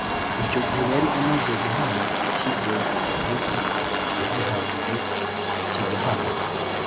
Icyo gihe yari amaze guhamya icyizere ko igihugu yagihanze kigahama